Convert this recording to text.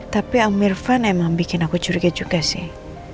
tapi om irfan emang bikin aku curiga juga sih